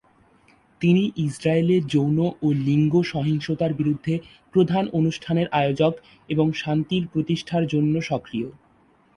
তিনি ইসরায়েলে যৌন ও লিঙ্গ সহিংসতার বিরুদ্ধে প্রধান অনুষ্ঠানের আয়োজক, এবং শান্তির প্রতিষ্ঠার জন্য সক্রিয়।